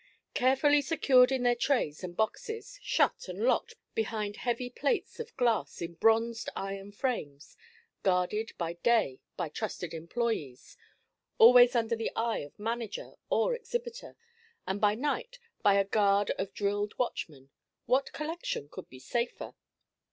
Carefully secured in their trays and boxes, shut and locked behind heavy plates of glass in bronzed iron frames, guarded by day by trusted employés always under the eye of manager or exhibitor, and by night by a guard of drilled watchmen, what collection could be safer?